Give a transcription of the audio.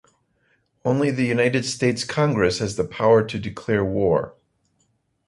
Only the United States Congress has the power to declare war.